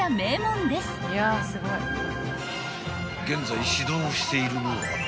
［現在指導をしているのは］